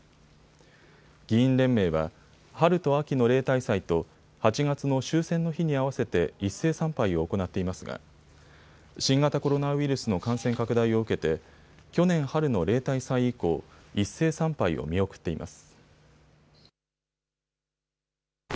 議院連盟は春と秋の例大祭と８月の終戦の日に合わせて一斉参拝を行っていますが新型コロナウイルスの感染拡大を受けて去年春の例大祭以降、一斉参拝を見送っています。